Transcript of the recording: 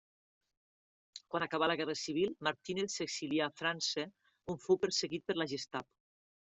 Quan acabà la guerra civil, Martínez s'exilià a França, on fou perseguit per la Gestapo.